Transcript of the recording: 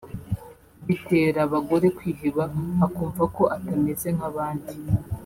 bitera bagore kwiheba akumva ko atameze nk’abandi